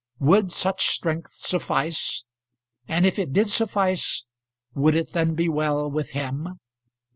Would such strength suffice? And if it did suffice, would it then be well with him?